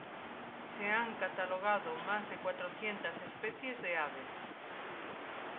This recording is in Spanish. Se han catalogado más de cuatrocientas especies de aves.